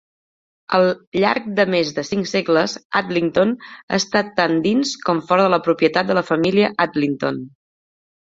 Al llarg de més de cinc segles, Adlington ha estat tant dins com fora de la propietat de la família Adlington.